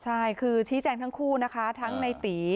ใช่คือชี้แจงทั้งคู่นะคะทั้งในตี